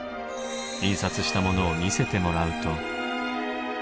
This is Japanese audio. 印刷したものを見せてもらうと。